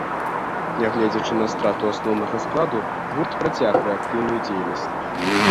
Нягледзячы на страту асноўнага складу, гурт працягвае актыўную дзейнасць.